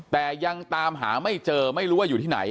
แต่ยังตามหาไม่เจอไม่รู้ว่าอยู่ที่ไหน